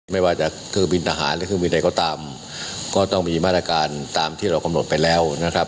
ไม่ว่าจะเครื่องบินทหารหรือเครื่องบินใดก็ตามก็ต้องมีมาตรการตามที่เรากำหนดไปแล้วนะครับ